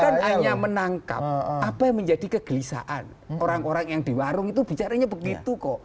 bukan hanya menangkap apa yang menjadi kegelisahan orang orang yang di warung itu bicaranya begitu kok